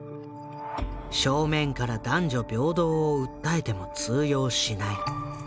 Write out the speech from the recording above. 正面から男女平等を訴えても通用しない。